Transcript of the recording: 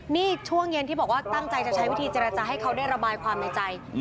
นี่ช่วงเย็นที่บอกว่าตั้งใจจะใช้วิธีเจรจาให้เขาได้ระบายความในใจ